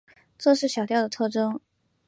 这是小调的特征。